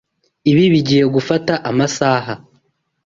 Ibi bigiye gufata amasaha.